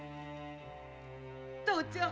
父ちゃん